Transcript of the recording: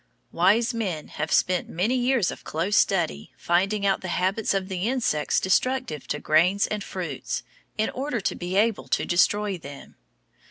Wise men have spent many years of close study finding out the habits of the insects destructive to grains and fruits, in order to be able to destroy them.